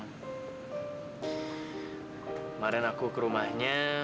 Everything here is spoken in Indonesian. kemarin aku ke rumahnya